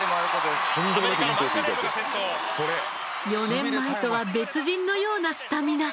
４年前とは別人のようなスタミナ。